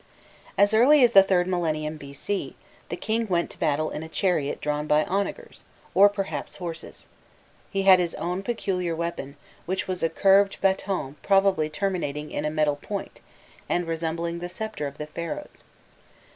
As early as the third millennium b.c., the king went to battle in a chariot drawn by onagers, or perhaps horses; he had his own peculiar weapon, which was a curved baton probably terminating in a metal point, and resembling the sceptre of the Pharaohs.